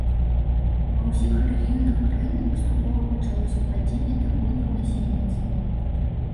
Ва ўсіх рэгіёнах краіны паступова пачалося падзенне даходаў насельніцтва.